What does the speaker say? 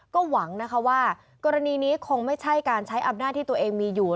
ก็หวังนะคะว่ากรณีนี้คงไม่ใช่การใช้อำนาจที่ตัวเองมีอยู่